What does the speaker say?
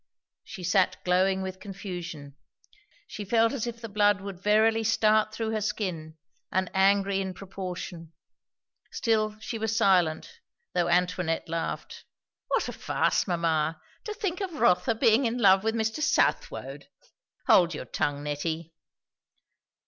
She sat glowing with confusion; she felt as if the blood would verily start through her skin; and angry in proportion. Still she was silent, though Antoinette laughed. "What a farce, mamma! To think of Rotha being in love with Mr. Southwode!" "Hold your tongue, Nettie."